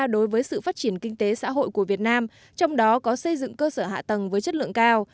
đối với sự phát triển kinh tế xã hội của việt nam trong đó có xây dựng cơ sở hạ tầng với chất lượng cao